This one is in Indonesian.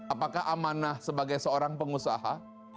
apakah amanah sebagai seorang pengusaha